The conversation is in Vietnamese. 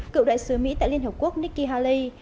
cựu đại sứ mỹ tại liên hợp quốc nikki haley